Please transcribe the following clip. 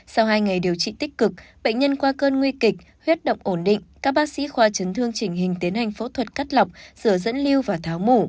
sau hai ngày điều trị tích cực bệnh nhân qua cơn nguy kịch huyết động ổn định các bác sĩ khoa chấn thương chỉnh hình tiến hành phẫu thuật cắt lọc sửa dẫn lưu và tháo mổ